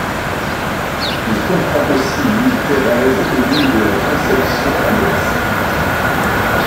Il comprend aussi l'île Thérèse et l'île de la Conception à l'ouest.